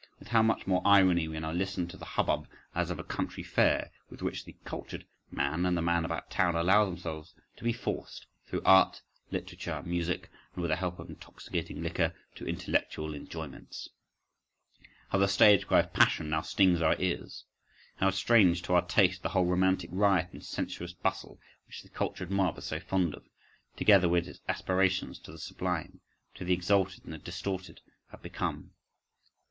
With how much more irony we now listen to the hubbub as of a country fair, with which the "cultured" man and the man about town allow themselves to be forced through art, literature, music, and with the help of intoxicating liquor, to "intellectual enjoyments." How the stage cry of passion now stings our ears; how strange to our taste the whole romantic riot and sensuous bustle, which the cultured mob are so fond of, together with its aspirations to the sublime, to the exalted and the distorted, have become.